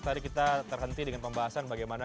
tadi kita terhenti dengan pembahasan bagaimana